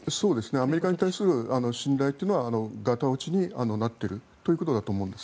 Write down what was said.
アメリカに対する信頼というのはがた落ちになっているということだと思うんです。